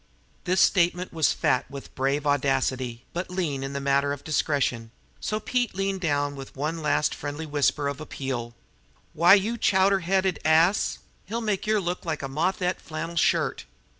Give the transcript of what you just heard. This statement was fat with brave audacity, but lean in the matter of discretion; so Pete leaned down with one last friendly whisper of appeal: "W'y, you chowder headed ass, he'll make yer look like a moth et flannel shirt!